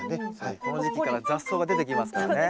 この時期から雑草が出てきますからね。